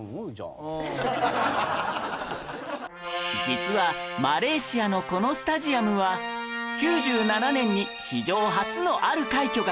実はマレーシアのこのスタジアムは９７年に史上初のある快挙が達成された場所なんです